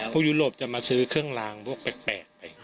ยุโรปจะมาซื้อเครื่องลางพวกแปลกไป